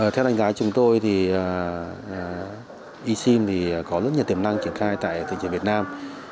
theo đánh giá chúng tôi e sim có rất nhiều tiềm năng triển khai tại thị trường việt nam